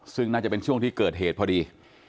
ซึ่งน่าจะเป็นช่วงที่เกิดเหตุพอดี